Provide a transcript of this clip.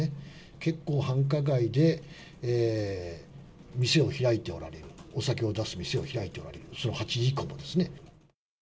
結構、繁華街で店を開いておられる、お酒を出す店を開いておられる、８時以降もですね。